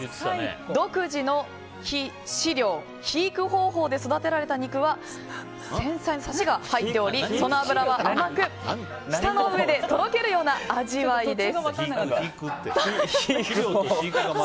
独自の飼料・肥育方法で育てられた肉は繊細なサシが入っておりその脂は甘く舌の上でとろけるような味わいです。